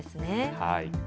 はい。